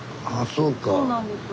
そうなんですよ。